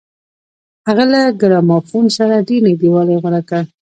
هغه له ګرامافون سره ډېر نږدېوالی غوره کړ.